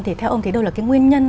thì theo ông thì đâu là cái nguyên nhân